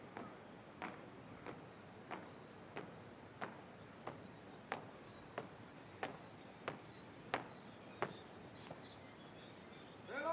laporan komandan upacara kepada inspektur upacara